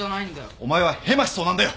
お前はヘマしそうなんだよ。